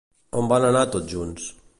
On van anar tots junts?